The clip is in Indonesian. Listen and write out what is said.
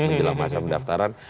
menjelang masa pendaftaran